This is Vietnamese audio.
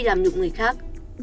làm nhục người khác